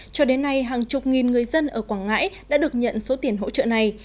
cho đến nay hàng chục nghìn người dân ở quảng ngãi đã được nhận số tiền hỗ trợ này